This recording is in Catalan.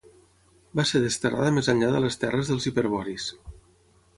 Va ser desterrada més enllà de les terres dels hiperboris.